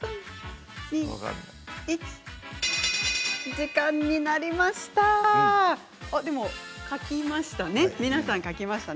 時間になりました。